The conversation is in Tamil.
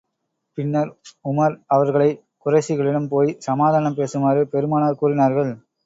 பின்னர், உமர் அவர்களை, குறைஷிகளிடம் போய், சமாதானம் பேசுமாறு, பெருமானார் கூறினார்கள்.